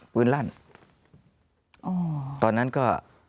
ลั่นตอนนั้นก็